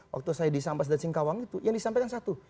waktu saya disampas dan singkawang itu yang disampaikan satu